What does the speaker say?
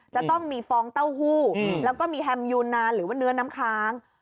จะต้องมีฟองเต้าหู้แล้วก็มีแฮมยูนานหรือว่าเนื้อน้ำค้าง